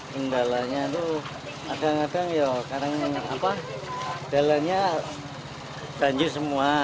kendalanya itu agak agak ya kadang kadang kendalanya banjir semua